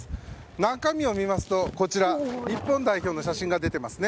中身を見ますと日本代表の写真が出ています。